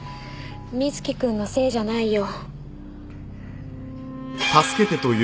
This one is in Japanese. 瑞貴くんのせいじゃないよ。